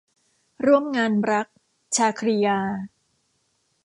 ร่วมงานรัก - ชาครียา